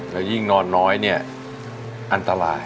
แล้วยิ่งนอนน้อยเนี่ยอันตราย